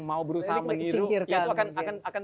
mau berusaha meniru ya itu akan